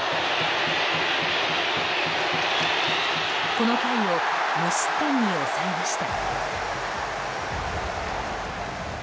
この回を無失点に抑えました。